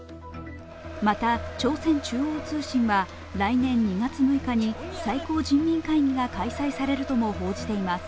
また、朝鮮中央通信は来年２月６日に最高人民会議が開催されるとも報じています。